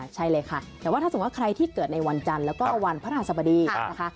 ใช่เลยค่ะแต่ว่าถ้าสมมุติว่าใครที่เกิดในวันจันทร์แล้วก็วันพระราชสบดีนะคะ